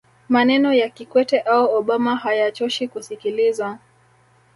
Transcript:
maneno ya kikwete au obama hayachoshi kusikilizwa